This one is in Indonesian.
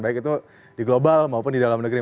baik itu di global maupun di dalam negeri